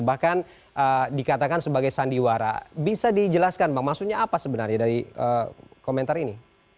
bahkan dikatakan sebagai sandiwara bisa dijelaskan bang maksudnya apa sebenarnya dari komentar ini